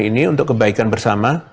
ini untuk kebaikan bersama